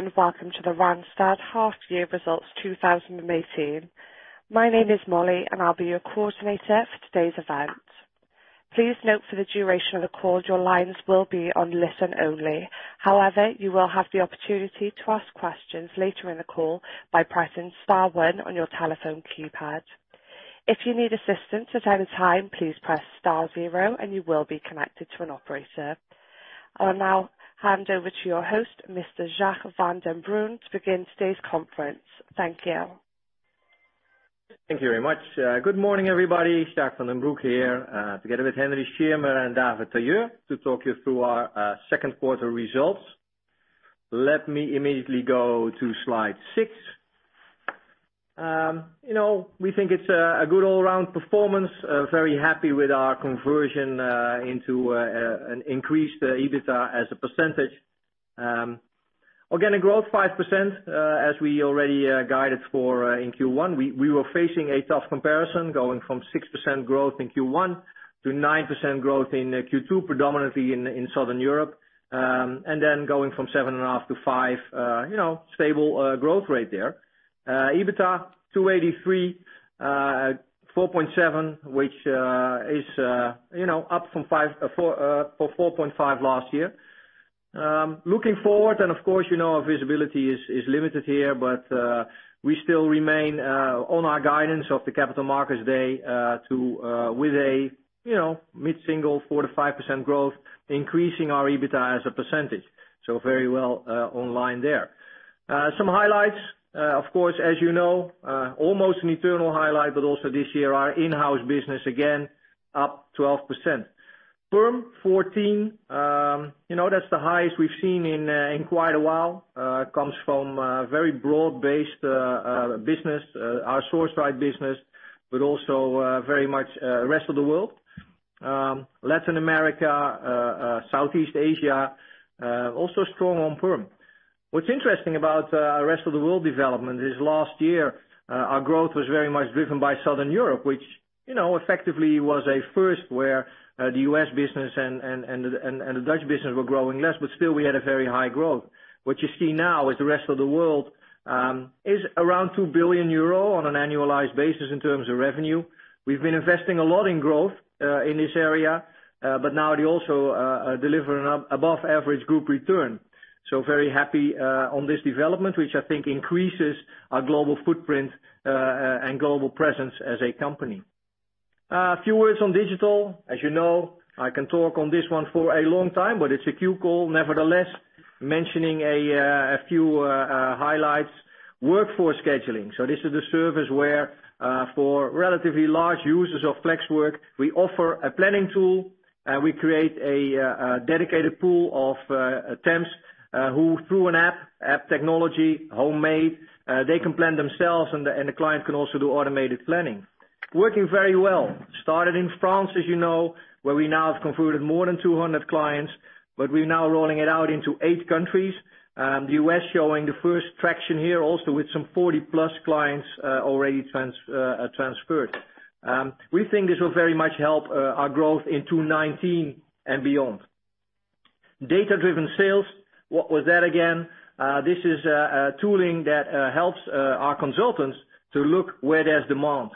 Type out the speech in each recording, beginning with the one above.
Hello, welcome to the Randstad Half Year Results 2018. My name is Molly, and I will be your coordinator for today's event. Please note for the duration of the call, your lines will be on listen only. You will have the opportunity to ask questions later in the call by pressing star one on your telephone keypad. If you need assistance at any time, please press star zero and you will be connected to an operator. I will now hand over to your host, Mr. Jacques van den Broek, to begin today's conference. Thank you. Thank you very much. Good morning, everybody. Jacques van den Broek here, together with Henry Schirmer and David Tailleur to talk you through our second quarter results. Let me immediately go to slide six. We think it is a good all-around performance. Very happy with our conversion into an increased EBITDA as a percentage. Organic growth 5%, as we already guided for in Q1. We were facing a tough comparison going from 6% growth in Q1 to 9% growth in Q2, predominantly in Southern Europe. Going from 7.5 to five, stable growth rate there. EBITDA 283 million, 4.7%, which is up from 4.5% last year. Looking forward, of course, our visibility is limited here, we still remain on our guidance of the Capital Markets Day with a mid-single 4% to 5% growth, increasing our EBITDA as a percentage. Very well online there. Some highlights. Of course, as you know, almost an eternal highlight, also this year, our in-house business again up 12%. PERM 14%. That is the highest we have seen in quite a while. Comes from a very broad-based business, our Sourceright business, also very much rest of the world. Latin America, Southeast Asia, also strong on PERM. What is interesting about rest of the world development is last year our growth was very much driven by Southern Europe, which effectively was a first where the U.S. business and the Dutch business were growing less, still we had a very high growth. What you see now is the rest of the world is around 2 billion euro on an annualized basis in terms of revenue. We have been investing a lot in growth in this area. Now they also deliver above average group return. Very happy on this development, which I think increases our global footprint and global presence as a company. A few words on digital. As you know, I can talk on this one for a long time, it is a queue call. Nevertheless, mentioning a few highlights. Workforce scheduling. This is the service where for relatively large users of Flexwork, we offer a planning tool. We create a dedicated pool of temps who through an app technology, homemade, they can plan themselves and the client can also do automated planning. Working very well. Started in France, as you know, where we now have concluded more than 200 clients, we are now rolling it out into eight countries. The U.S. showing the first traction here also with some 40-plus clients already transferred. We think this will very much help our growth in 2019 and beyond. Data-driven sales. What was that again? This is a tooling that helps our consultants to look where there's demand.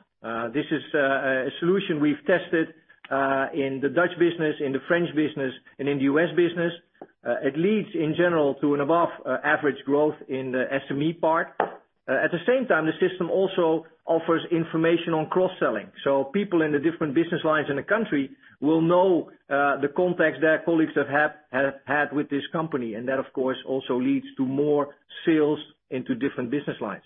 This is a solution we've tested in the Dutch business, in the French business, and in the U.S. business. It leads, in general, to an above-average growth in the SME part. At the same time, the system also offers information on cross-selling. People in the different business lines in the country will know the contacts their colleagues have had with this company. That, of course, also leads to more sales into different business lines.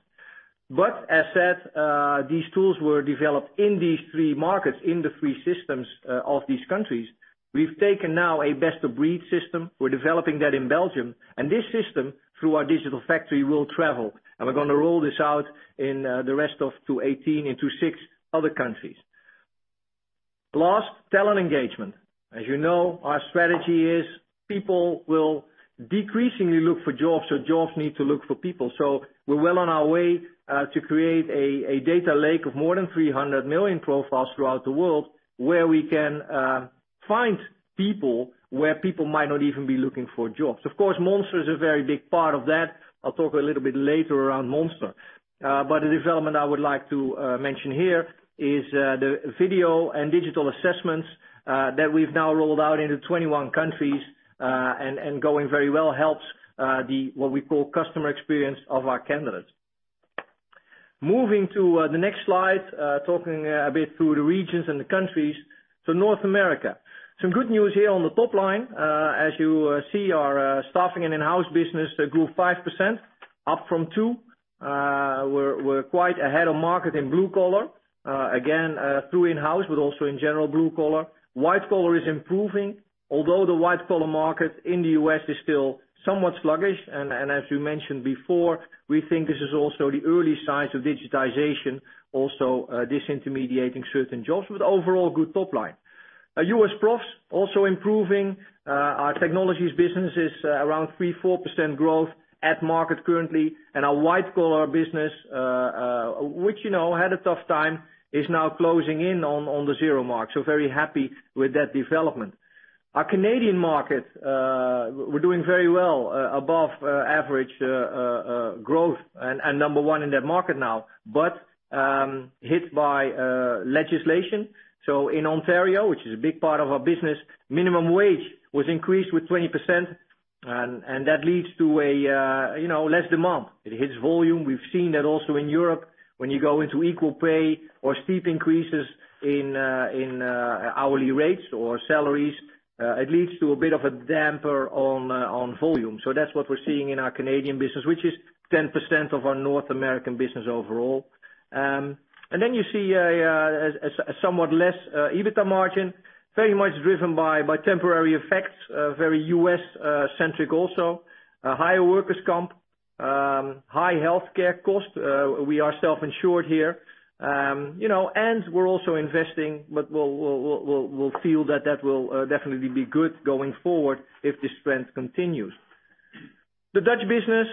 As said, these tools were developed in these three markets, in the three systems of these countries. We've taken now a best-of-breed system. We're developing that in Belgium, and this system, through our digital factory, will travel. We're going to roll this out in the rest of 2018 into six other countries. Last, talent engagement. As you know, our strategy is people will decreasingly look for jobs need to look for people. We're well on our way to create a data lake of more than 300 million profiles throughout the world, where we can find people where people might not even be looking for jobs. Of course, Monster is a very big part of that. I'll talk a little bit later around Monster. The development I would like to mention here is the video and digital assessments that we've now rolled out into 21 countries, and going very well, helps the what we call customer experience of our candidates. Moving to the next slide, talking a bit through the regions and the countries. North America. Some good news here on the top line. As you see, our staffing and in-house business grew 5%, up from 2%. We're quite ahead of market in blue collar. Again, through in-house, but also in general, blue collar. White collar is improving, although the white collar market in the U.S. is still somewhat sluggish. As we mentioned before, we think this is also the early signs of digitization, also disintermediating certain jobs with overall good top line. Our U.S. profs also improving. Our technologies business is around 3%, 4% growth at market currently. Our white collar business, which you know had a tough time, is now closing in on the zero mark, very happy with that development. Our Canadian market, we're doing very well above average growth and number one in that market now, but hit by legislation. In Ontario, which is a big part of our business, minimum wage was increased with 20%, that leads to less demand. It hits volume. We've seen that also in Europe. When you go into equal pay or steep increases in hourly rates or salaries, it leads to a bit of a damper on volume. That's what we're seeing in our Canadian business, which is 10% of our North American business overall. Then you see a somewhat less EBITDA margin, very much driven by temporary effects, very U.S.-centric also. Higher workers' comp, high healthcare cost. We are self-insured here. We're also investing, we'll feel that that will definitely be good going forward if this trend continues. The Dutch business,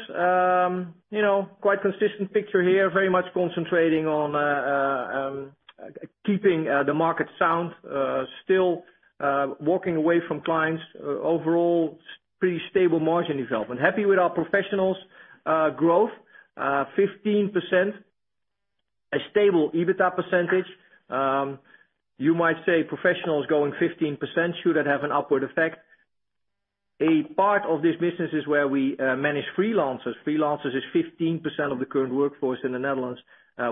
quite consistent picture here. Very much concentrating on keeping the market sound, still walking away from clients. Overall, pretty stable margin development. Happy with our professionals growth, 15%. A stable EBITDA percentage. You might say professionals growing 15%, should that have an upward effect? A part of this business is where we manage freelancers. Freelancers is 15% of the current workforce in the Netherlands.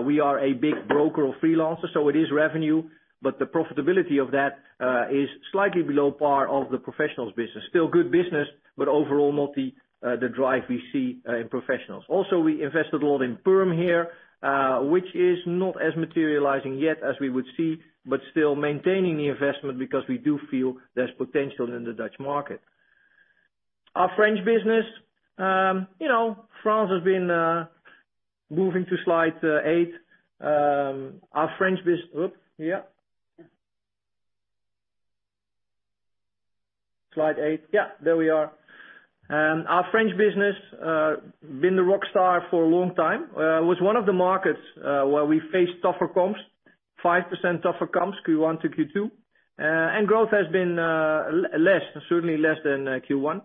We are a big broker of freelancers, so it is revenue, but the profitability of that is slightly below par of the professionals business. Still good business, but overall, not the drive we see in professionals. Also, we invested a lot in PERM here, which is not as materializing yet as we would see, but still maintaining the investment because we do feel there's potential in the Dutch market. Our French business. Moving to slide eight. Oops. Yeah. Slide eight. Yeah, there we are. Our French business, been the rock star for a long time. Was one of the markets where we faced tougher comps, 5% tougher comps, Q1 to Q2. Growth has been less, certainly less, than Q1.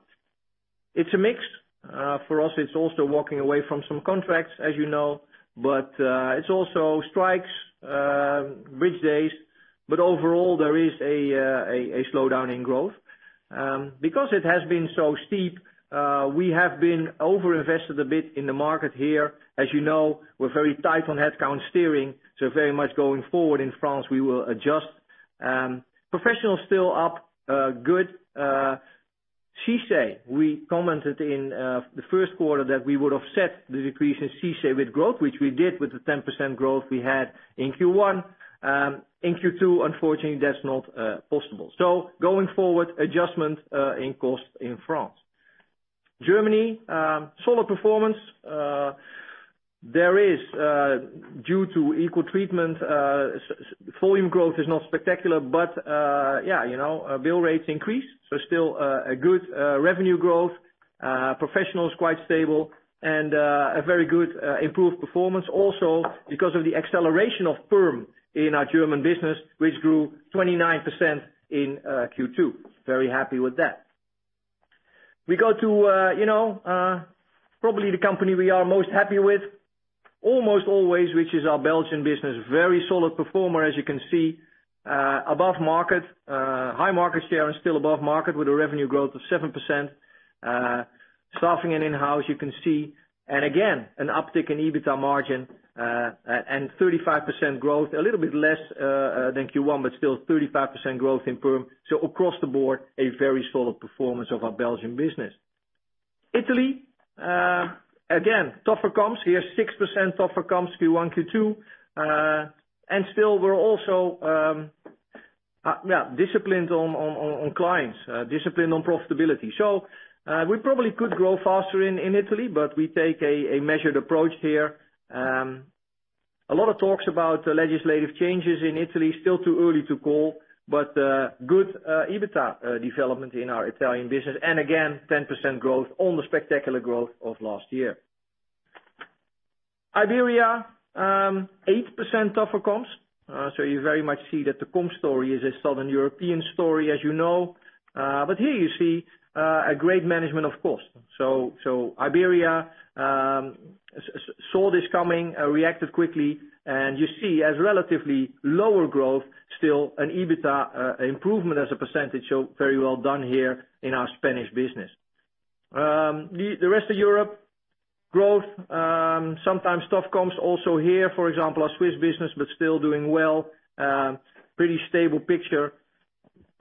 It's a mix. For us, it's also walking away from some contracts, as you know, but it's also strikes, bridge days. Overall, there is a slowdown in growth. Because it has been so steep, we have been overinvested a bit in the market here. As you know, we're very tight on headcount steering, very much going forward in France, we will adjust. Professional still up good. CICE, we commented in the first quarter that we would offset the decrease in CICE with growth, which we did with the 10% growth we had in Q1. In Q2, unfortunately, that's not possible. Going forward, adjustment in cost in France. Germany, solid performance. There is, due to equal treatment, volume growth is not spectacular. Bill rates increased, so still a good revenue growth. Professional is quite stable, a very good improved performance also because of the acceleration of PERM in our German business, which grew 29% in Q2. Very happy with that. We go to probably the company we are most happy with, almost always, which is our Belgian business. Very solid performer, as you can see. Above market. High market share and still above market with a revenue growth of 7%. Staffing and in-house, you can see. Again, an uptick in EBITDA margin and 35% growth. A little bit less than Q1, but still 35% growth in PERM. Across the board, a very solid performance of our Belgian business. Italy, again, tougher comps here. 6% tougher comps Q1, Q2. Still we're also disciplined on clients, disciplined on profitability. We probably could grow faster in Italy, but we take a measured approach here. A lot of talks about legislative changes in Italy. Still too early to call. Good EBITDA development in our Italian business. Again, 10% growth on the spectacular growth of last year. Iberia, 8% tougher comps. You very much see that the comp story is a Southern European story, as you know. Here you see a great management of cost. Iberia saw this coming, reacted quickly, and you see as relatively lower growth, still an EBITDA improvement as a percentage. Very well done here in our Spanish business. The rest of Europe growth, sometimes tough comps also here. For example, our Swiss business, but still doing well. Pretty stable picture.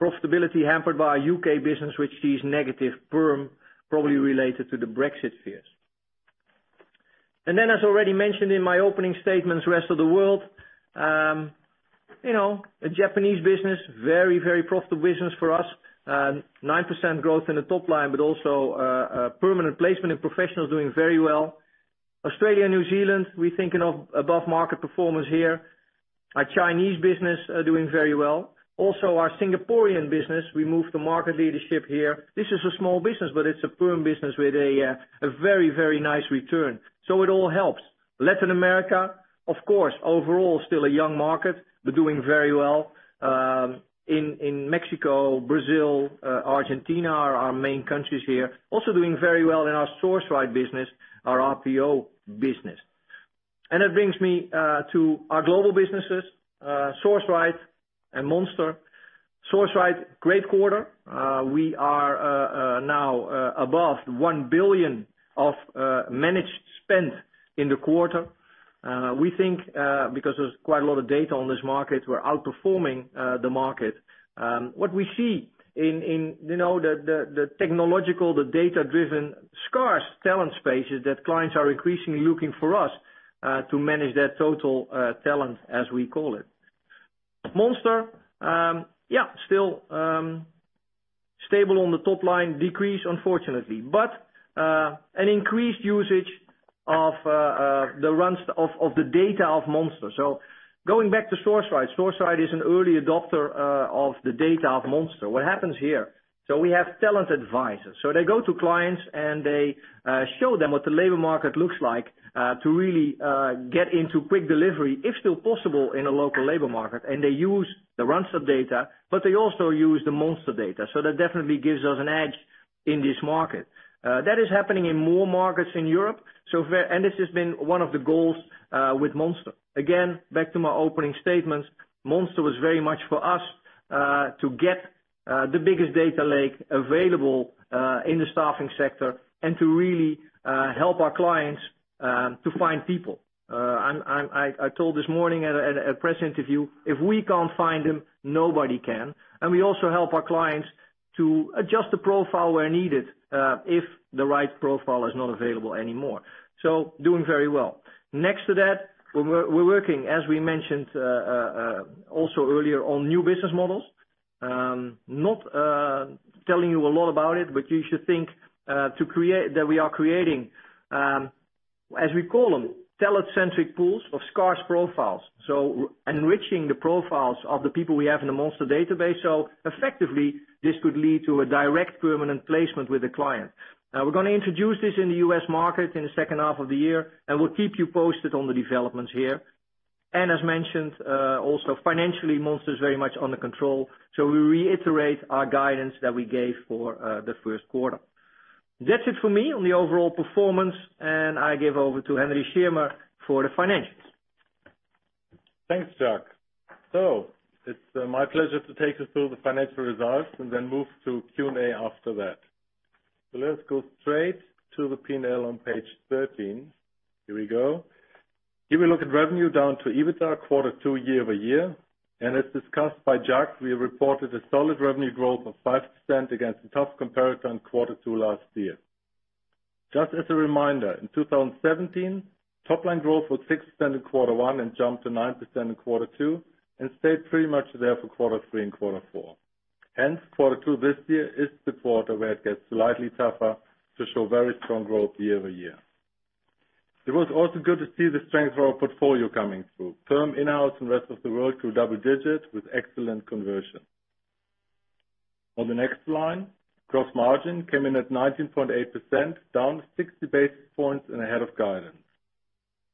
Profitability hampered by our U.K. business, which sees negative PERM probably related to the Brexit fears. Then, as already mentioned in my opening statements, rest of the world. A Japanese business, very, very profitable business for us. 9% growth in the top line, but also a permanent placement in professional is doing very well. Australia and New Zealand, we're thinking of above-market performance here. Our Chinese business are doing very well. Also our Singaporean business, we moved to market leadership here. This is a small business, but it's a PERM business with a very, very nice return. It all helps. Latin America, of course, overall, still a young market, but doing very well. In Mexico, Brazil, Argentina are our main countries here. Also doing very well in our Sourceright business, our RPO business. That brings me to our global businesses, Sourceright and Monster. Sourceright, great quarter. We are now above 1 billion of managed spend in the quarter. We think, because there's quite a lot of data on this market, we're outperforming the market. What we see in the technological, the data-driven, scarce talent space is that clients are increasingly looking for us to manage their total talent, as we call it. Monster. Still stable on the top line. Decrease, unfortunately. An increased usage of the Randstad of the data of Monster. Going back to Sourceright is an early adopter of the data of Monster. What happens here? We have talent advisors. They go to clients, and they show them what the labor market looks like to really get into quick delivery, if still possible, in a local labor market. They use the Randstad data, but they also use the Monster data. That definitely gives us an edge in this market. That is happening in more markets in Europe. This has been one of the goals with Monster. Again, back to my opening statements, Monster was very much for us to get the biggest data lake available in the staffing sector and to really help our clients to find people. I told this morning at a press interview, if we can't find him, nobody can. We also help our clients to adjust the profile where needed if the right profile is not available anymore. Doing very well. Next to that, we're working, as we mentioned also earlier, on new business models. Not telling you a lot about it, but you should think that we are creating, as we call them, talent-centric pools of scarce profiles. Enriching the profiles of the people we have in the Monster database. Effectively, this could lead to a direct permanent placement with a client. We're going to introduce this in the U.S. market in the second half of the year, and we'll keep you posted on the developments here. As mentioned, also financially, Monster is very much under control. We reiterate our guidance that we gave for the first quarter. That's it for me on the overall performance, and I give over to Henry Schirmer for the financials. Thanks, Jacques. It is my pleasure to take us through the financial results and then move to Q&A after that. Let us go straight to the P&L on page 13. Here we go. Here we look at revenue down to EBITDA quarter 2 year-over-year. As discussed by Jacques, we reported a solid revenue growth of 5% against a tough comparator in quarter 2 last year. Just as a reminder, in 2017, top-line growth was 6% in quarter 1 and jumped to 9% in quarter 2, and stayed pretty much there for quarter 3 and quarter 4. Quarter 2 this year is the quarter where it gets slightly tougher to show very strong growth year-over-year. It was also good to see the strength of our portfolio coming through. PERM in-house and rest of the world grew double digits with excellent conversion. On the next line, gross margin came in at 19.8%, down 60 basis points and ahead of guidance.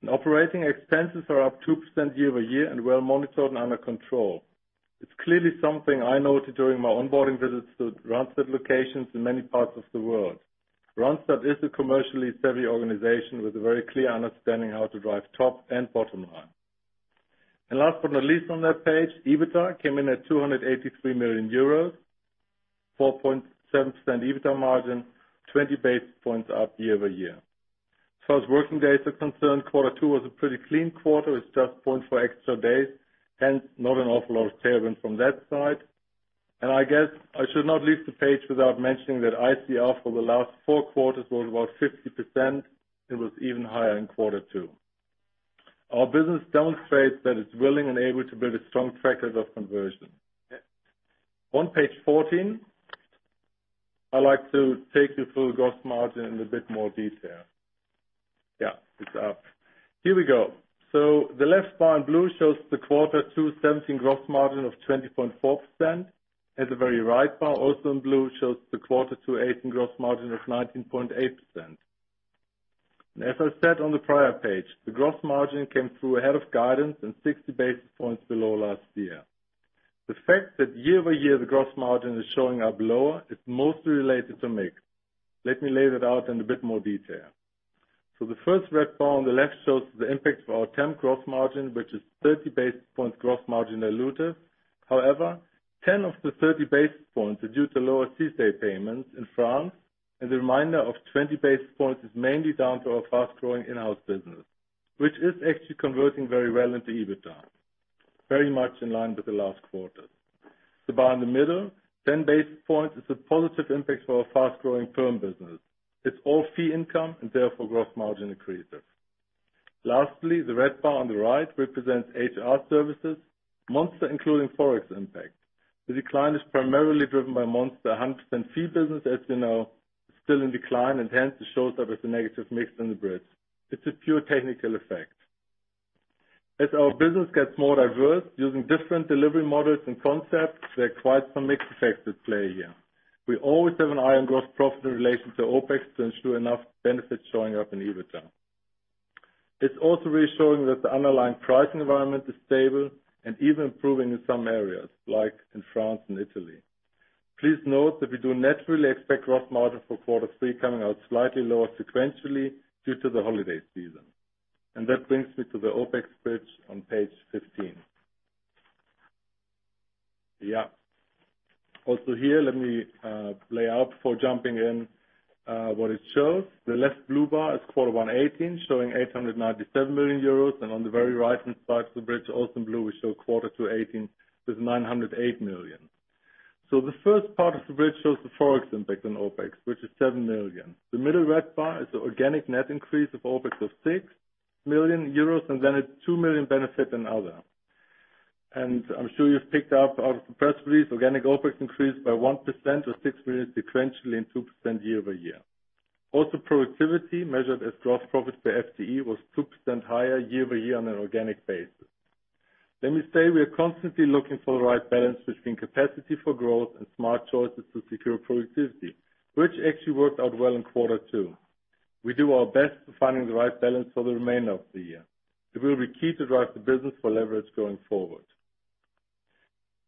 Operating expenses are up 2% year-over-year and well monitored and under control. It is clearly something I noted during my onboarding visits to Randstad locations in many parts of the world. Randstad is a commercially savvy organization with a very clear understanding how to drive top and bottom line. Last but not least on that page, EBITDA came in at 283 million euros, 4.7% EBITDA margin, 20 basis points up year-over-year. As far as working days are concerned, quarter 2 was a pretty clean quarter. It is just 0.4 extra days, not an awful lot of tailwind from that side. I guess I should not leave the page without mentioning that ICR for the last four quarters was about 50%. It was even higher in quarter 2. Our business demonstrates that it is willing and able to build a strong track record of conversion. On page 14, I would like to take you through gross margin in a bit more detail. Yes, it is up. Here we go. The left bar in blue shows the quarter 2 2017 gross margin of 20.4%. At the very right bar, also in blue, shows the quarter 2 2018 gross margin of 19.8%. As I said on the prior page, the gross margin came through ahead of guidance and 60 basis points below last year. The fact that year-over-year the gross margin is showing up lower is mostly related to mix. Let me lay that out in a bit more detail. The first red bar on the left shows the impact of our temp gross margin, which is 30 basis points gross margin dilutive. However, 10 of the 30 basis points are due to lower CICE payments in France. The remainder of 20 basis points is mainly down to our fast-growing in-house business, which is actually converting very well into EBITDA, very much in line with the last quarter. The bar in the middle, 10 basis points, is a positive impact for our fast-growing PERM business. It is all fee income and therefore gross margin accretive. Lastly, the red bar on the right represents HR services, Monster including Forex impact. The decline is primarily driven by Monster 100% fee business, as you know, still in decline and it shows up as a negative mix in the bridge. It is a pure technical effect. As our business gets more diverse using different delivery models and concepts, there are quite some mix effects at play here. We always have an eye on gross profit in relation to OpEx to ensure enough benefits showing up in EBITDA. It is also reassuring that the underlying pricing environment is stable and even improving in some areas, like in France and Italy. Please note that we do naturally expect gross margin for quarter 3 coming out slightly lower sequentially due to the holiday season. That brings me to the OpEx bridge on page 15. Also here, let me lay out for jumping in what it shows. The left blue bar is quarter 1 2018, showing 897 million euros. On the very right-hand side of the bridge, also in blue, we show quarter 2 2018 with 908 million. The first part of the bridge shows the Forex impact on OpEx, which is 7 million. The middle red bar is the organic net increase of OpEx of 6 million euros, then a 2 million benefit in other. I am sure you have picked up out of the press release, organic OpEx increased by 1% or 6 million sequentially and 2% year-over-year. Also, productivity measured as gross profit per FTE was 2% higher year-over-year on an organic basis. Let me say, we are constantly looking for the right balance between capacity for growth and smart choices to secure productivity, which actually worked out well in quarter 2. We do our best to finding the right balance for the remainder of the year. It will be key to drive the business for leverage going forward.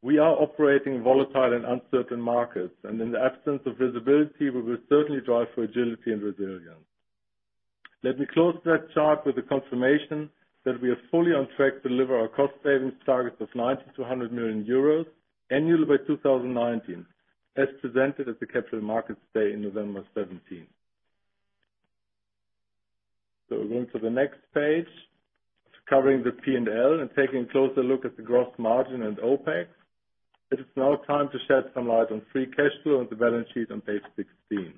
We are operating in volatile and uncertain markets, in the absence of visibility, we will certainly drive for agility and resilience. Let me close that chart with the confirmation that we are fully on track to deliver our cost savings target of 90 million-100 million euros annually by 2019, as presented at the Capital Markets Day in November 2017. We are going to the next page, covering the P&L and taking a closer look at the gross margin and OpEx. It is now time to shed some light on free cash flow and the balance sheet on page 16.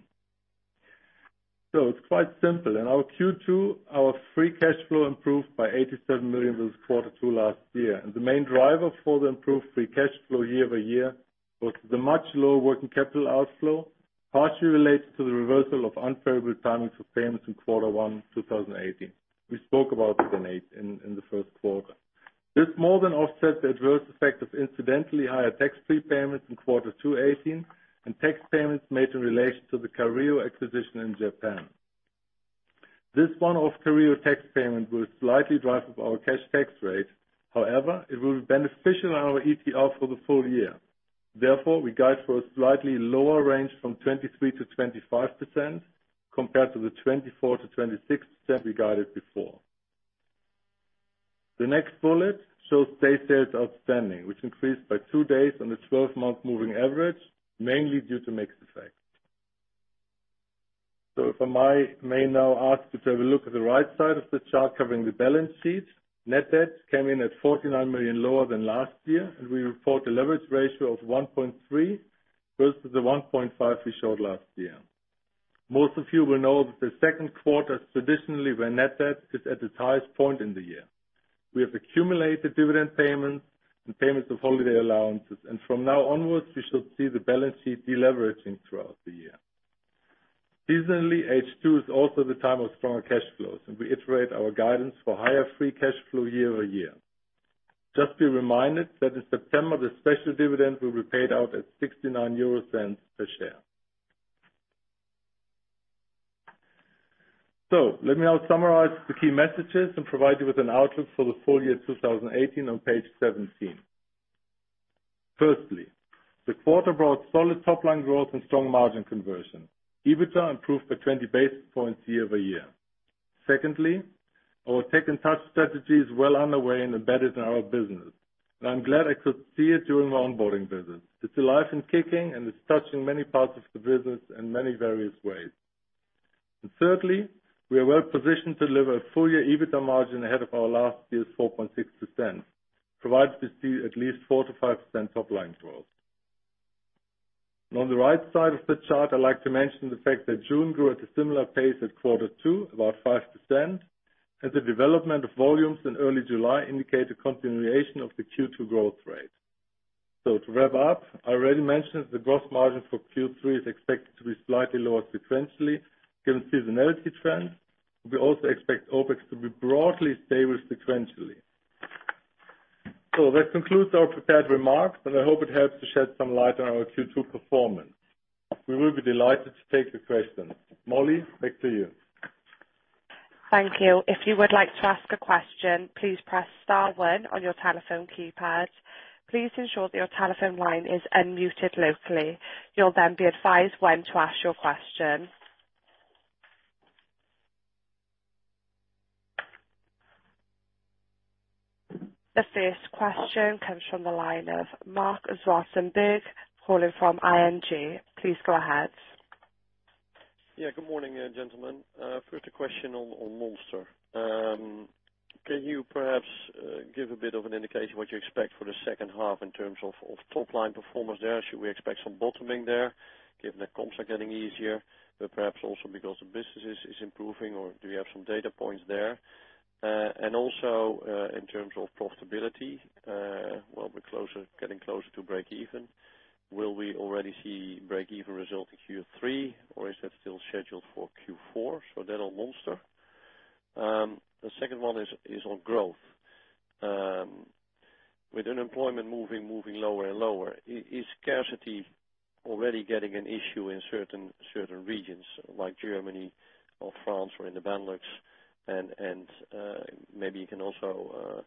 It is quite simple. In our Q2, our free cash flow improved by 87 million versus quarter 2 last year. The main driver for the improved free cash flow year-over-year was the much lower working capital outflow, partially related to the reversal of unfavorable timing for payments in quarter 1 2018. We spoke about it in the first quarter. This more than offsets the adverse effect of incidentally higher tax prepayments in quarter 2 2018 and tax payments made in relation to the Careo acquisition in Japan. This one-off Careo tax payment will slightly drive up our cash tax rate. However, it will be beneficial on our ETR for the full year. Therefore, we guide for a slightly lower range from 23%-25% compared to the 24%-26% we guided before. The next bullet shows day sales outstanding, which increased by two days on the 12-month moving average, mainly due to mix effect. If I may now ask you to have a look at the right side of the chart covering the balance sheet. Net debts came in at 49 million lower than last year, and we report a leverage ratio of 1.3 versus the 1.5 we showed last year. Most of you will know that the second quarter is traditionally where net debt is at its highest point in the year. We have accumulated dividend payments and payments of holiday allowances, and from now onwards, we should see the balance sheet deleveraging throughout the year. Seasonally, H2 is also the time of stronger cash flows, and we iterate our guidance for higher free cash flow year-over-year. Just be reminded that in September, the special dividend will be paid out at 0.69 per share. Let me now summarize the key messages and provide you with an outlook for the full year 2018 on page 17. Firstly, the quarter brought solid top-line growth and strong margin conversion. EBITDA improved by 20 basis points year-over-year. Secondly, our Tech and Touch strategy is well underway and embedded in our business. I'm glad I could see it during my onboarding visit. It's alive and kicking, and it's touching many parts of the business in many various ways. Thirdly, we are well positioned to deliver a full year EBITDA margin ahead of our last year's 4.6%, provided we see at least 4%-5% top-line growth. On the right side of the chart, I'd like to mention the fact that June grew at a similar pace at quarter two, about 5%, and the development of volumes in early July indicate a continuation of the Q2 growth rate. To wrap up, I already mentioned the gross margin for Q3 is expected to be slightly lower sequentially given seasonality trends. We also expect OpEx to be broadly stable sequentially. That concludes our prepared remarks, and I hope it helps to shed some light on our Q2 performance. We will be delighted to take your questions. Molly, back to you. Thank you. If you would like to ask a question, please press star one on your telephone keypad. Please ensure that your telephone line is unmuted locally. You'll then be advised when to ask your question. The first question comes from the line of Marc Zwartsenburg, calling from ING. Please go ahead. Good morning, gentlemen. First, a question on Monster. Can you perhaps give a bit of an indication what you expect for the second half in terms of top-line performance there? Should we expect some bottoming there given that comps are getting easier, but perhaps also because the business is improving, or do you have some data points there? In terms of profitability, we're getting closer to breakeven. Will we already see breakeven result in Q3 or is that still scheduled for Q4? That on Monster. The second one is on growth. With unemployment moving lower and lower, is scarcity already getting an issue in certain regions like Germany or France or in the Benelux? Maybe you can also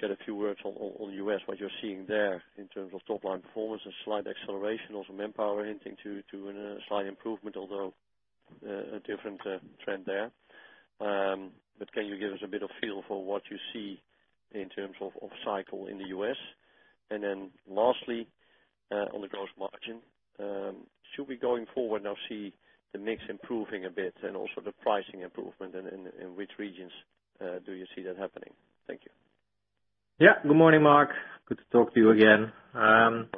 shed a few words on U.S., what you're seeing there in terms of top-line performance and slight acceleration. ManpowerGroup hinting to a slight improvement, although a different trend there. Can you give us a bit of feel for what you see in terms of off cycle in the U.S.? Lastly, on the gross margin, should we, going forward now, see the mix improving a bit and also the pricing improvement? In which regions do you see that happening? Thank you. Good morning, Marc. Good to talk to you again. Good morning,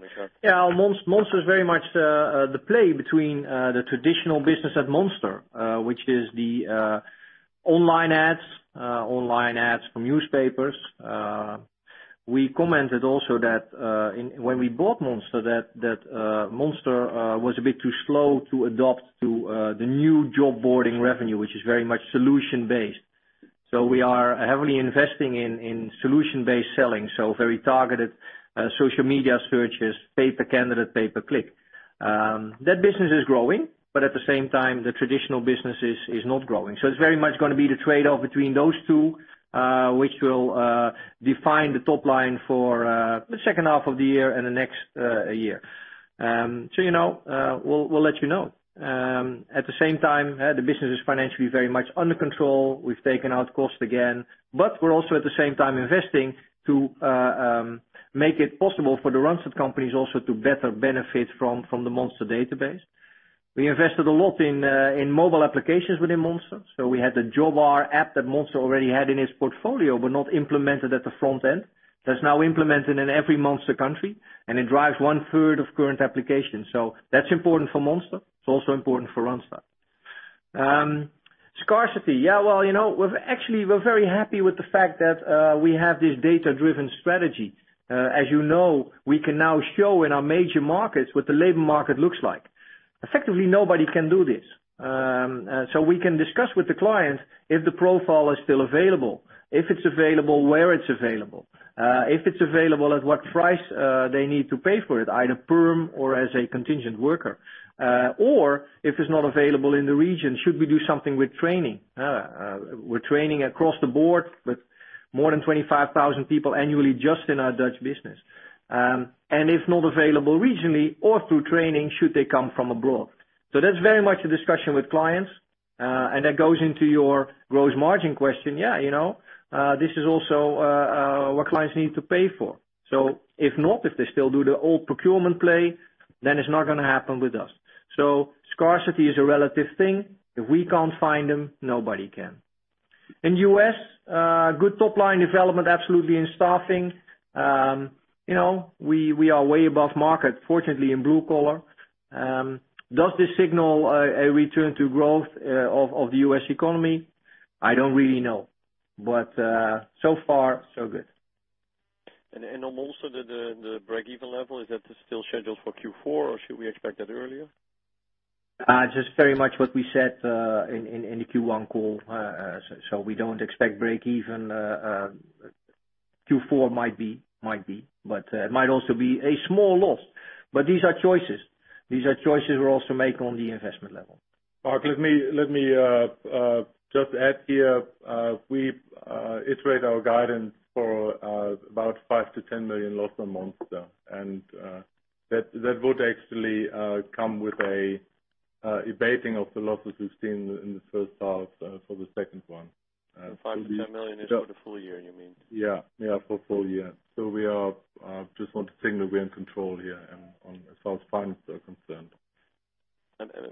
sir. Monster is very much the play between the traditional business at Monster, which is the online ads from newspapers. We commented also that when we bought Monster, that Monster was a bit too slow to adopt to the new job boarding revenue, which is very much solution based. We are heavily investing in solution-based selling, very targeted social media searches, pay per candidate, pay per click. That business is growing, but at the same time, the traditional business is not growing. It's very much going to be the trade-off between those two, which will define the top line for the second half of the year and the next year. We'll let you know. At the same time, the business is financially very much under control. We've taken out cost again, but we're also at the same time investing to make it possible for the Randstad companies also to better benefit from the Monster database. We invested a lot in mobile applications within Monster. We had the Jobr app that Monster already had in its portfolio, but not implemented at the front end. That's now implemented in every Monster country, and it drives one-third of current applications. That's important for Monster. It's also important for Randstad. Scarcity. Yeah, well, actually, we're very happy with the fact that we have this data-driven strategy. As you know, we can now show in our major markets what the labor market looks like. Effectively, nobody can do this. We can discuss with the client if the profile is still available, if it's available, where it's available, if it's available at what price they need to pay for it, either perm or as a contingent worker. If it's not available in the region, should we do something with training? We're training across the board with more than 25,000 people annually just in our Dutch business. If not available regionally or through training, should they come from abroad? That's very much a discussion with clients. That goes into your gross margin question. Yeah. This is also what clients need to pay for. If not, if they still do the old procurement play, then it's not going to happen with us. Scarcity is a relative thing. If we can't find them, nobody can. In U.S., good top line development absolutely in staffing. We are way above market, fortunately, in blue collar. Does this signal a return to growth of the U.S. economy? I don't really know, so far so good. on also the break-even level, is that still scheduled for Q4 or should we expect that earlier? Just very much what we said in the Q1 call. We don't expect break-even. Q4 might be, but it might also be a small loss. These are choices. These are choices we also make on the investment level. Marc, let me just add here. We iterate our guidance for about 5 million-10 million loss on Monster, and that would actually come with an abating of the losses we've seen in the first half for the second one. 5 million-10 million is for the full year, you mean? Yeah. For full year. We just want to signal we're in control here as far as finances are concerned.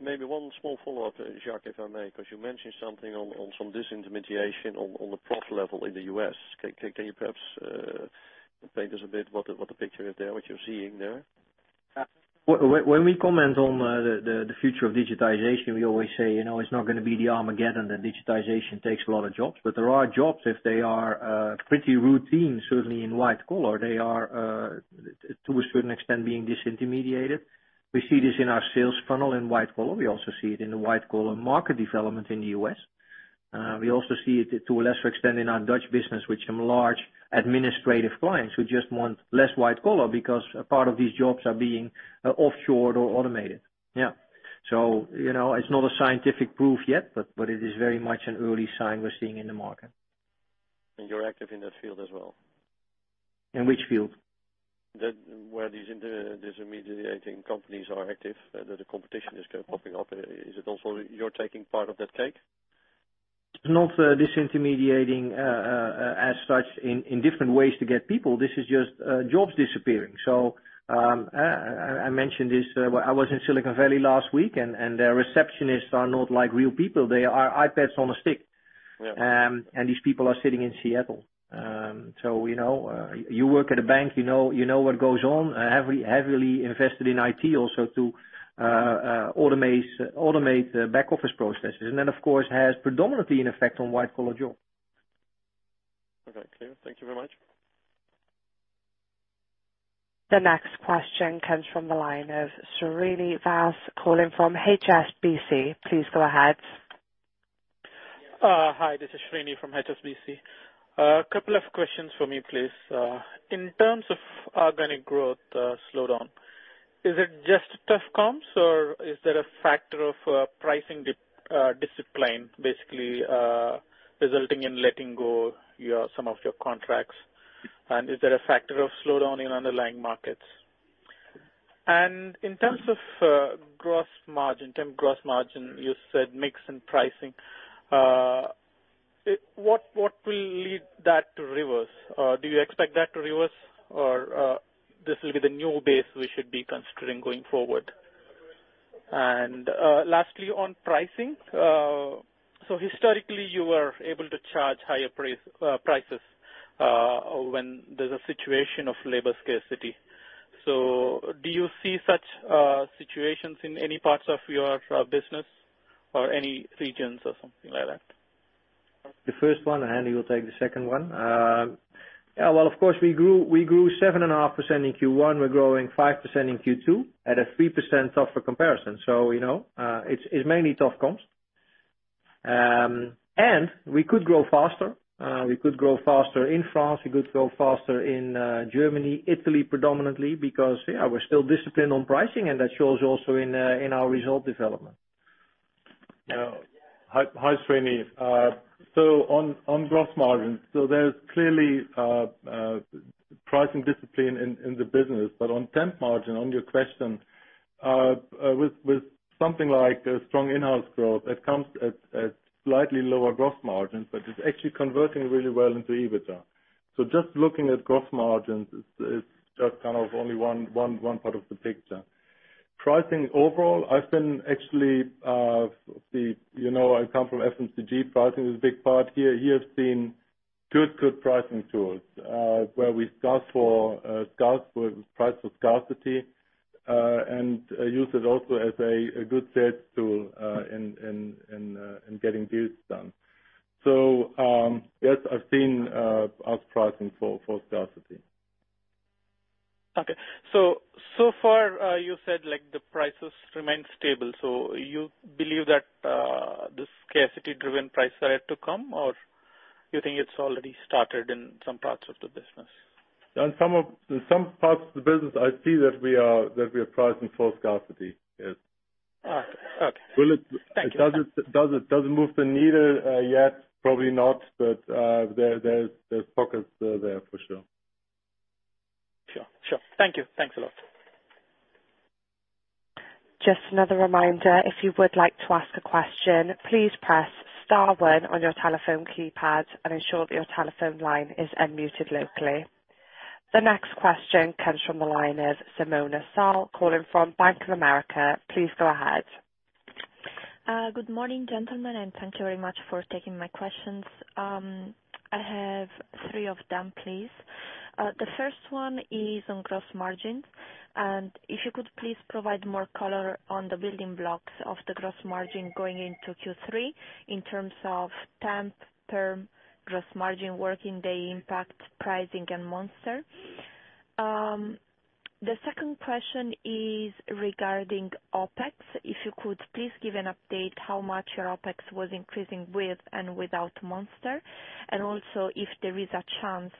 Maybe one small follow-up, Jacques, if I may, because you mentioned something on some disintermediation on the prof level in the U.S. Can you perhaps paint us a bit what the picture is there, what you're seeing there? When we comment on the future of digitization, we always say, it's not going to be the Armageddon, that digitization takes a lot of jobs. There are jobs, if they are pretty routine, certainly in white collar, they are to a certain extent being disintermediated. We see this in our sales funnel in white collar. We also see it in the white collar market development in the U.S. We also see it to a lesser extent in our Dutch business, which some large administrative clients who just want less white collar because part of these jobs are being offshored or automated. Yeah. It's not a scientific proof yet, but it is very much an early sign we're seeing in the market. You're active in that field as well? In which field? Where these disintermediating companies are active, that the competition is popping up. Is it also you're taking part of that cake? It's not disintermediating as such in different ways to get people. This is just jobs disappearing. I mentioned this, I was in Silicon Valley last week and their receptionists are not like real people. They are iPads on a stick. Yeah. These people are sitting in Seattle. You work at a bank, you know what goes on, heavily invested in IT also to automate back office processes. Of course, has predominantly an effect on white collar jobs. Okay, clear. Thank you very much. The next question comes from the line of Suhasini Varanasi calling from HSBC. Please go ahead. Hi, this is Suhasini from HSBC. A couple of questions from me, please. In terms of organic growth slowdown, is it just tough comps or is there a factor of pricing discipline basically, resulting in letting go some of your contracts? Is there a factor of slowdown in underlying markets? In terms of temp gross margin, you said mix and pricing. What will lead that to reverse? Do you expect that to reverse or this will be the new base we should be considering going forward? Lastly, on pricing. Historically, you were able to charge higher prices when there's a situation of labor scarcity. Do you see such situations in any parts of your business or any regions or something like that? The first one. Henry will take the second one. Yeah. Well, of course, we grew 7.5% in Q1. We're growing 5% in Q2 at a 3% tougher comparison. It's mainly tough comps. We could grow faster. We could grow faster in France. We could grow faster in Germany, Italy predominantly because, yeah, we're still disciplined on pricing and that shows also in our result development. Hi, Srini. On gross margins. There's clearly pricing discipline in the business. On temp margin, on your question, with something like strong in-house growth, it comes at slightly lower gross margins, but it's actually converting really well into EBITDA. Just looking at gross margins is just kind of only one part of the picture. Pricing overall, I've been actually. I come from FMCG. Pricing is a big part here. Here I've seen good pricing tools, where we scout for price for scarcity, and use it also as a good sales tool in getting deals done. Yes, I've seen us pricing for scarcity. Okay. So far, you said like the prices remain stable. You believe that this scarcity-driven price are yet to come or you think it's already started in some parts of the business? In some parts of the business, I see that we are pricing for scarcity. Yes. Okay. Thank you. Does it move the needle yet? Probably not. There's pockets there for sure. Sure. Thank you. Thanks a lot. Just another reminder, if you would like to ask a question, please press *1 on your telephone keypad and ensure that your telephone line is unmuted locally. The next question comes from the line of Simona Sallow, calling from Bank of America. Please go ahead. Good morning, gentlemen, thank you very much for taking my questions. I have three of them, please. The first one is on gross margins, if you could please provide more color on the building blocks of the gross margin going into Q3 in terms of temp, PERM, gross margin working day impact, pricing, and Monster. The second question is regarding OpEx. If you could please give an update how much your OpEx was increasing with and without Monster, and also if there is a chance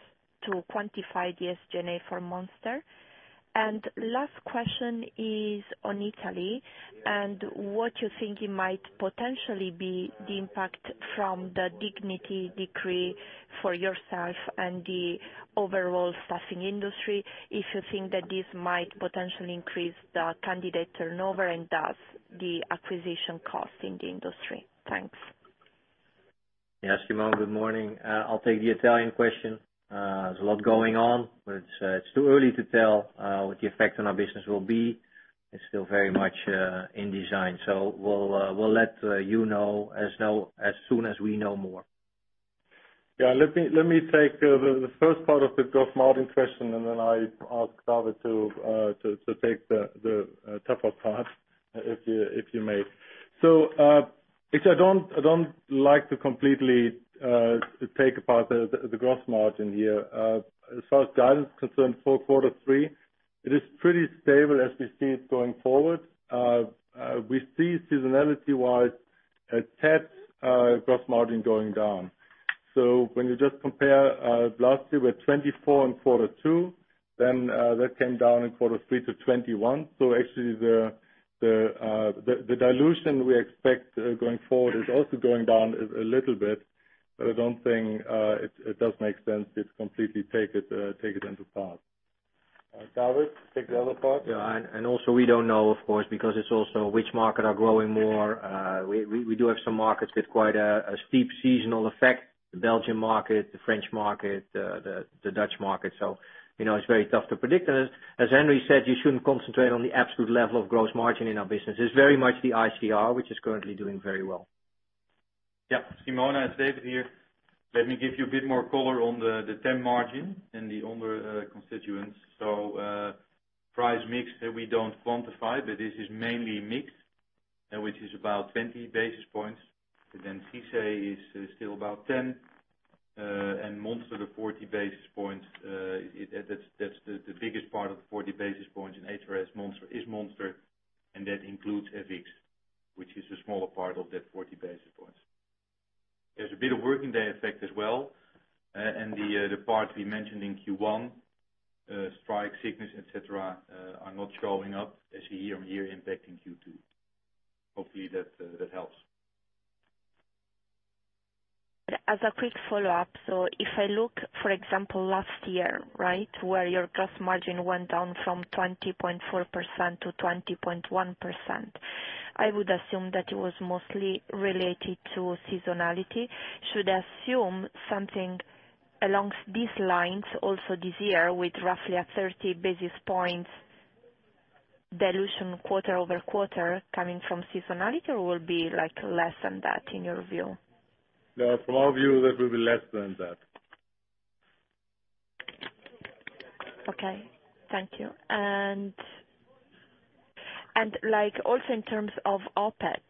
to quantify the SG&A for Monster. Last question is on Italy and what you think it might potentially be the impact from the Dignity Decree for yourself and the overall staffing industry, if you think that this might potentially increase the candidate turnover and thus the acquisition cost in the industry. Thanks. Yes, Simona, good morning. I'll take the Italian question. There's a lot going on, but it's too early to tell what the effect on our business will be. It's still very much in design. We'll let you know as soon as we know more. Yeah. Let me take the first part of the gross margin question, and then I'll ask David to take the tougher part, if you may. I don't like to completely take apart the gross margin here. As far as guidance is concerned for quarter three, it is pretty stable as we see it going forward. We see seasonality-wise, a tad gross margin going down. When you just compare last year with 24 in quarter two, then that came down in quarter three to 21. Actually, the dilution we expect going forward is also going down a little bit, but I don't think it does make sense to completely take it into part. David, take the other part. Yeah. Also, we don't know, of course, because it's also which market are growing more. We do have some markets with quite a steep seasonal effect, the Belgian market, the French market, the Dutch market. It's very tough to predict. As Henry said, you shouldn't concentrate on the absolute level of gross margin in our business. It's very much the ICR, which is currently doing very well. Yeah. Simona, it's David here. Let me give you a bit more color on the temp margin and the other constituents. Price mix, we don't quantify, but this is mainly mix, which is about 20 basis points. CICE is still about 10, and Monster, the 40 basis points. That's the biggest part of the 40 basis points in HRS is Monster, and that includes EFIC, which is a smaller part of that 40 basis points. There's a bit of working day effect as well, and the part we mentioned in Q1, strike, sickness, et cetera, are not showing up as a year-on-year impact in Q2. Hopefully that helps. As a quick follow-up, if I look, for example, last year, right, where your gross margin went down from 20.4% to 20.1%, I would assume that it was mostly related to seasonality. Should I assume something along these lines also this year with roughly a 30 basis points dilution quarter-over-quarter coming from seasonality, or will it be less than that in your view? From our view, that will be less than that. Okay. Thank you. Also in terms of OpEx,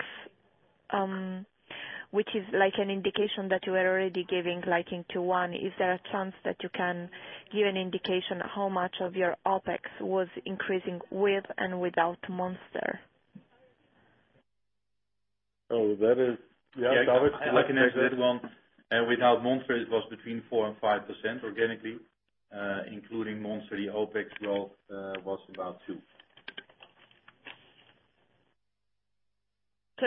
which is an indication that you were already giving in Q1, is there a chance that you can give an indication how much of your OpEx was increasing with and without Monster? Yeah, David. I can take that one. Without Monster, it was between 4% and 5% organically. Including Monster, the OpEx growth was about 2%.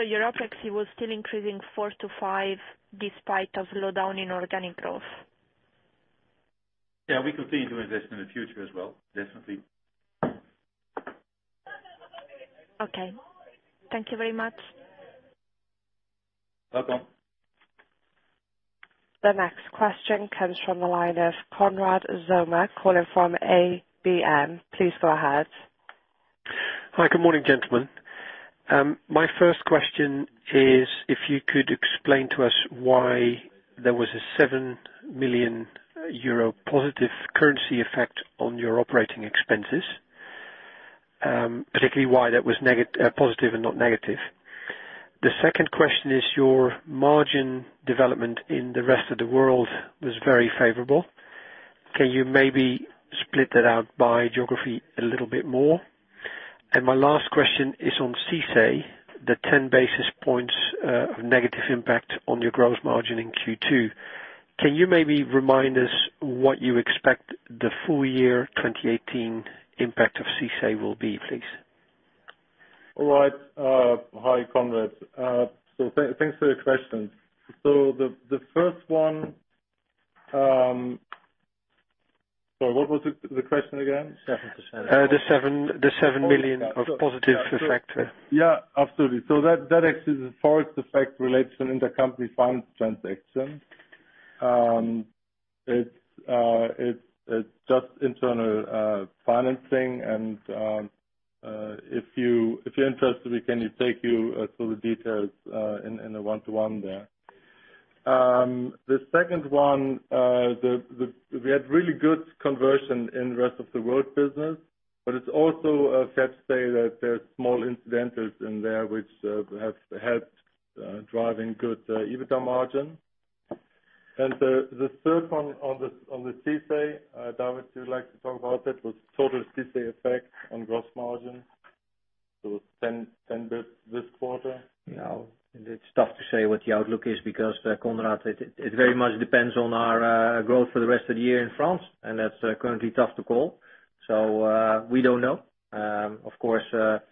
Your OpEx was still increasing 4%-5% despite a slowdown in organic growth. We continue to invest in the future as well, definitely. Okay. Thank you very much. Welcome. The next question comes from the line of Konrad Zomer, calling from ABN AMRO. Please go ahead. Hi, good morning, gentlemen. My first question is if you could explain to us why there was a 7 million euro positive currency effect on your operating expenses, particularly why that was positive and not negative. The second question is your margin development in the rest of the world was very favorable. Can you maybe split that out by geography a little bit more? My last question is on CICE, the 10 basis points of negative impact on your gross margin in Q2. Can you maybe remind us what you expect the full year 2018 impact of CICE will be, please? All right. Hi, Konrad. Thanks for the questions. The first one Sorry, what was the question again? 7%. The 7 million of positive effect. Yeah, absolutely. That actually is a Forex effect relating to an intercompany fund transaction. It's just internal financing, and if you're interested, we can take you through the details in a one-to-one there. The second one, we had really good conversion in rest of the world business, but it's also fair to say that there are small incidentals in there which have helped driving good EBITDA margin. The third one on the CICE, David, you would like to talk about it, was total CICE effect on gross margin. 10 basis points this quarter. Now, it's tough to say what the outlook is because, Konrad, it very much depends on our growth for the rest of the year in France, and that's currently tough to call. We don't know. Of course, the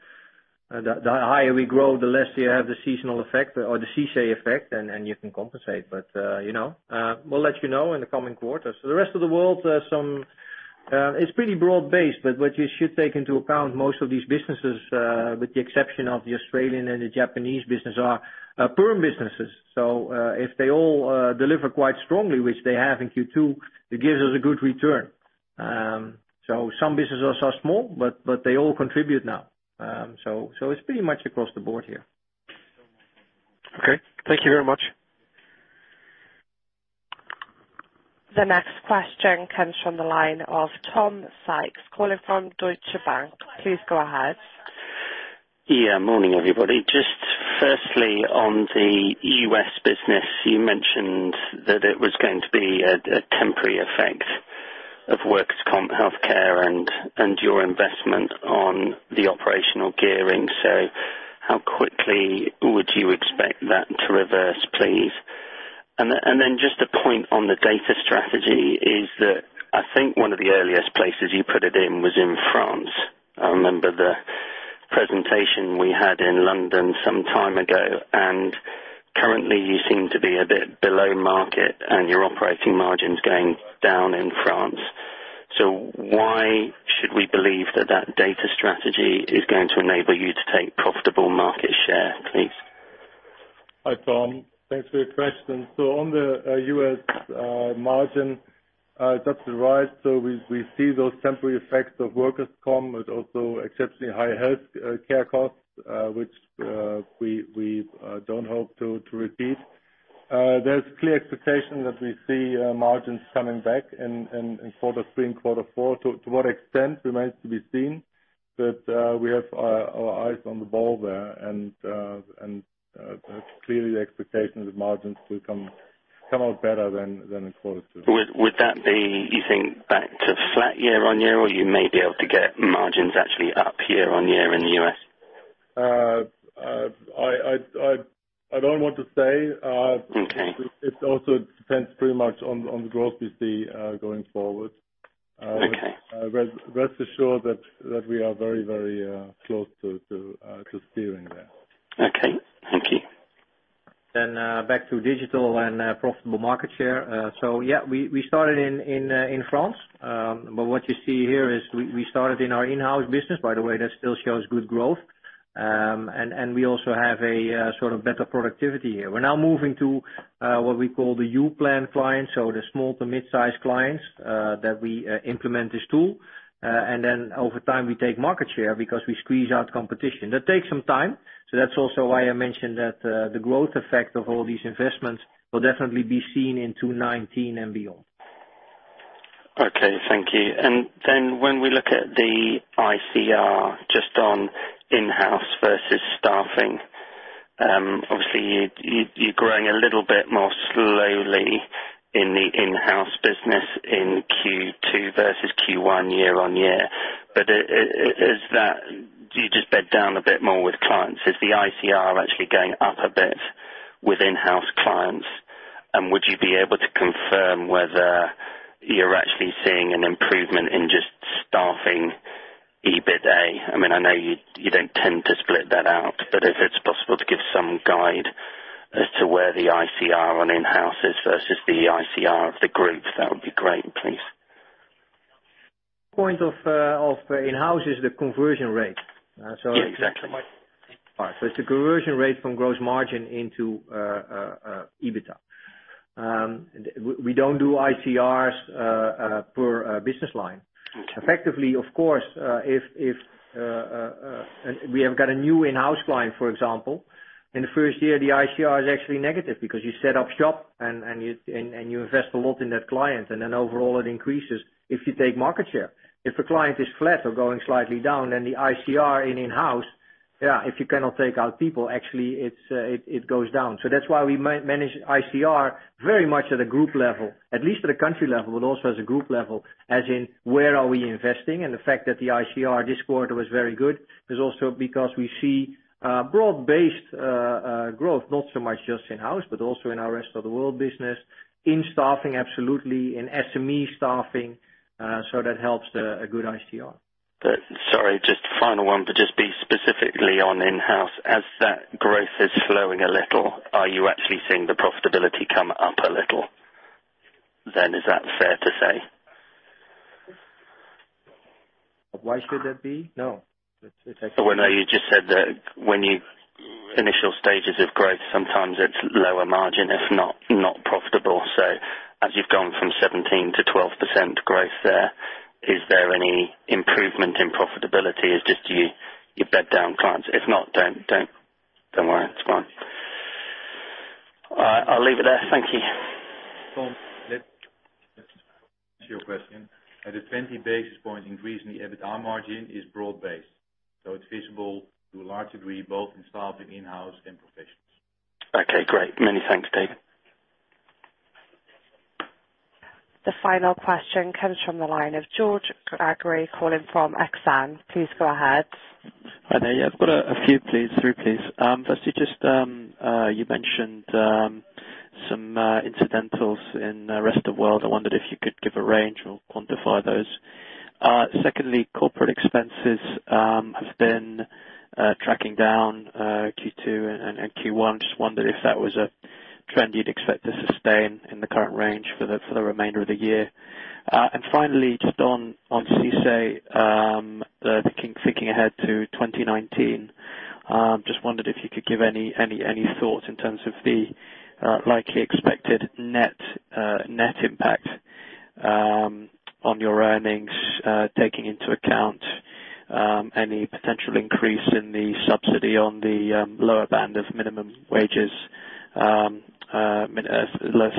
higher we grow, the less you have the seasonal effect or the CICE effect, and you can compensate. We'll let you know in the coming quarters. For the rest of the world, it's pretty broad-based, but what you should take into account, most of these businesses, with the exception of the Australian and the Japanese business are PERM businesses. If they all deliver quite strongly, which they have in Q2, it gives us a good return. Some businesses are small, but they all contribute now. It's pretty much across the board here. Okay. Thank you very much. The next question comes from the line of Tom Sykes calling from Deutsche Bank. Please go ahead. Yeah. Morning, everybody. Just firstly, on the U.S. business, you mentioned that it was going to be a temporary effect of workers' comp, healthcare and your investment on the operational gearing. How quickly would you expect that to reverse, please? Just a point on the data strategy is that I think one of the earliest places you put it in was in France. I remember the presentation we had in London some time ago, and currently you seem to be a bit below market and your operating margin's going down in France. Why should we believe that that data strategy is going to enable you to take profitable market share, please? Hi, Tom. Thanks for your question. On the U.S. margin, that's right. We see those temporary effects of workers' comp, but also exceptionally high healthcare costs, which we don't hope to repeat. There's clear expectation that we see margins coming back in quarter 3 and quarter 4. To what extent remains to be seen. We have our eyes on the ball there, and it's clearly the expectation that margins will come out better than in quarter 2. Would that be, you think back to flat year-on-year or you may be able to get margins actually up year-on-year in the U.S.? I don't want to say. Okay. It also depends pretty much on the growth we see going forward. Okay. Rest assured that we are very close to steering there. Okay. Thank you. Back to digital and profitable market share. We started in France. What you see here is we started in our in-house business. By the way, that still shows good growth. We also have a sort of better productivity here. We're now moving to what we call the U-plan clients, so the small to mid-size clients that we implement this tool. Over time we take market share because we squeeze out competition. That takes some time. That's also why I mentioned that the growth effect of all these investments will definitely be seen in 2019 and beyond. Okay, thank you. When we look at the ICR, just on in-house versus staffing, obviously you're growing a little bit more slowly in the in-house business in Q2 versus Q1 year-on-year. Do you just bet down a bit more with clients? Is the ICR actually going up a bit with in-house clients? Would you be able to confirm whether you're actually seeing an improvement in just staffing EBITA? I know you don't tend to split that out, but if it's possible to give some guide as to where the ICR on in-house is versus the ICR of the group, that would be great, please. Point of in-house is the conversion rate. Yeah, exactly. All right. It's the conversion rate from gross margin into EBITDA. We don't do ICRs per business line. Okay. Effectively, of course, if we have got a new in-house client, for example, in the first year, the ICR is actually negative because you set up shop and you invest a lot in that client, and then overall it increases if you take market share. If a client is flat or going slightly down, then the ICR in in-house, if you cannot take out people, actually it goes down. That's why we manage ICR very much at a group level, at least at a country level, but also as a group level, as in where are we investing? The fact that the ICR this quarter was very good is also because we see broad-based growth, not so much just in-house, but also in our rest of the world business, in staffing, absolutely, in SME staffing. That helps a good ICR. Sorry, just final one. Just be specifically on in-house. As that growth is slowing a little, are you actually seeing the profitability come up a little then? Is that fair to say? Why should that be? No. Well, no, you just said that initial stages of growth, sometimes it's lower margin, if not profitable. As you've gone from 17% to 12% growth there, is there any improvement in profitability? It's just you've bed down clients. If not, don't worry. It's fine. I'll leave it there. Thank you. Tom, let me answer your question. At the 20 basis point increase in the EBITDA margin is broad-based, it's visible to a large degree, both in staffing and in-house and professionals. Okay, great. Many thanks, David. The final question comes from the line of George Gregory, calling from Exane. Please go ahead. Hi there. I've got a few, please. Three, please. Firstly, you mentioned some incidentals in the rest of world. I wondered if you could give a range or quantify those. Secondly, corporate expenses have been tracking down Q2 and Q1. Wondered if that was a trend you'd expect to sustain in the current range for the remainder of the year. Finally, on CICE, thinking ahead to 2019. Wondered if you could give any thoughts in terms of the likely expected net impact on your earnings, taking into account any potential increase in the subsidy on the lower band of minimum wages, lower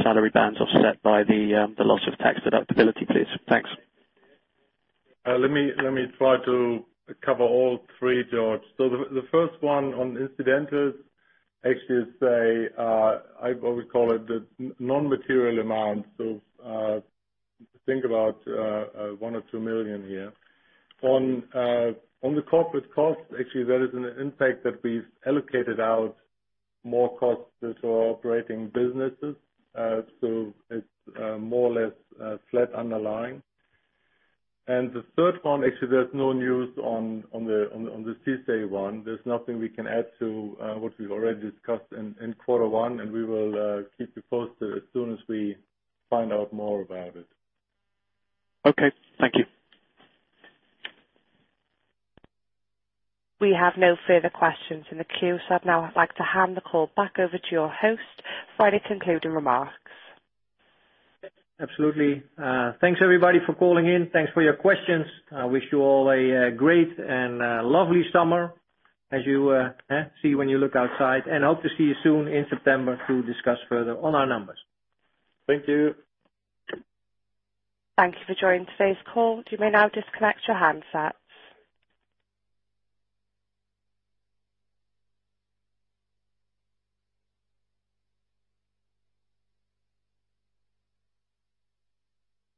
salary bands offset by the loss of tax deductibility, please. Thanks. Let me try to cover all three, George. The first one on incidentals actually is, I would call it the non-material amount. Think about one million or two million here. On the corporate cost, actually, there is an impact that we've allocated out more costs to our operating businesses. It's more or less flat underlying. The third one, actually, there's no news on the CICE one. There's nothing we can add to what we've already discussed in quarter one, and we will keep you posted as soon as we find out more about it. Okay. Thank you. We have no further questions in the queue. I'd now like to hand the call back over to your host for any concluding remarks. Absolutely. Thanks everybody for calling in. Thanks for your questions. I wish you all a great and lovely summer as you see when you look outside. Hope to see you soon in September to discuss further on our numbers. Thank you. Thank you for joining today's call. You may now disconnect your handsets.